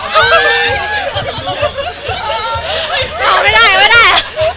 ไม่ได้ประเทศไม่ได้